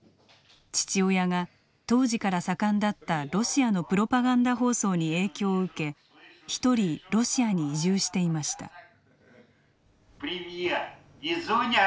父親が当時から盛んだったロシアのプロパガンダ放送に影響を受け１人ロシアに移住していました。